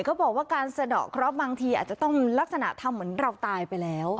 เขาบอกว่าการสะดอกเคราะห์บางทีอาจจะต้องลักษณะทำเหมือนเราตายไปแล้ว